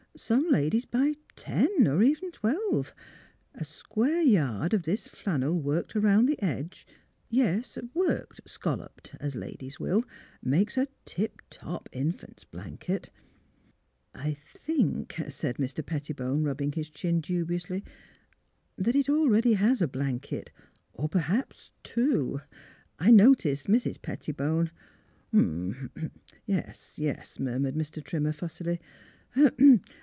Some ladies buy ten, or even twelve. A square yard of this flan nel worked around the edge — yes, worked, scal loped, as ladies will — makes a tip top infant's blanket." '' I think, '' said Mr. Pettibone, rubbing his chin dubiously, ^' that it already has a blanket; or, perhaps, two. I noticed Mrs. Pettibone "" Hum! Yes, yes! " murmured Mr. Trimmer, fussily.